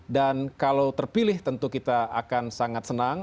dan kalau terpilih tentu kita akan sangat senang